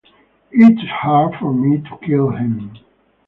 It's hard for me to kill him.